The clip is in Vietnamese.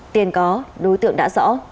tiền có đối tượng đã rõ